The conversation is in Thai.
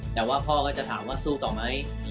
แต่ว่าพ่อก็จะถามว่าสู้ต่อไหม